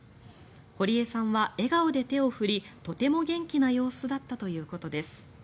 堀江さんは笑顔で手を振りとても元気な様子だったということです。